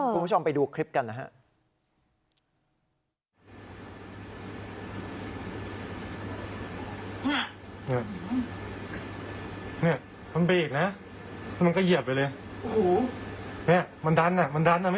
คุณผู้ชมไปดูคลิปกันนะฮะ